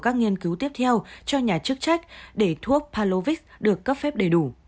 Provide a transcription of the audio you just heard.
các nghiên cứu tiếp theo cho nhà chức trách để thuốc palovis được cấp phép đầy đủ